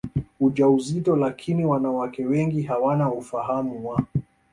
ujauzito lakini wanawake wengi hawana ufahamu wa